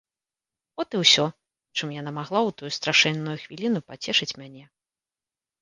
От і ўсё, чым яна магла ў тую страшэнную хвіліну пацешыць мяне.